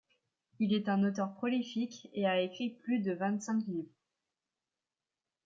Il est un auteur prolifique et a écrit plus de vingt-cinq livres.